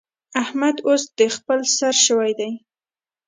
احمد اوس د خپل سر شوی دی.